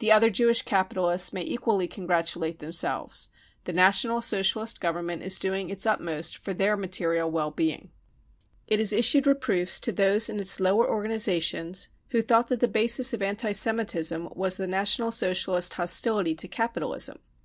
The other Jewish capitalists may equally congratulate themselves : the National Socialist Government is doing its utmost for their material well being, It has issued reproofs to those in its lower organisa tions who thought that the basis of anti Semitism was the National Socialist hostility to capitalism.